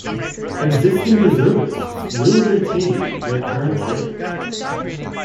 Existing reservists will retain their current ranks.